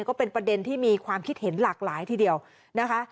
ก็เป็นประเด็นที่มีความคิดเห็นหลากหลายทีเดียวนะคะ